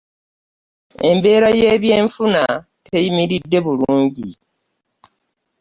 Embeera ye byenfuna teyimiridde bulungi.